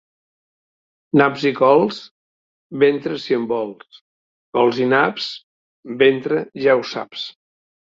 Naps i cols, ventre si en vols; cols i naps, ventre ja ho saps.